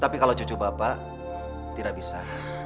tapi kalau cucu bapak tidak bisa